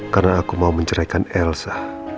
karena aku mau menceraikan elsa